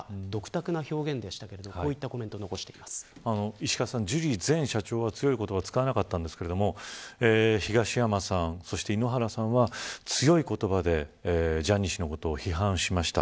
石川さん、ジュリー前社長は強い言葉を使わなかったんですけど東山さん、そして井ノ原さんは強い言葉でジャニー氏のことを批判しました。